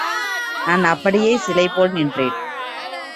நான் அப்படியே சிலை போல் நின்றேன்!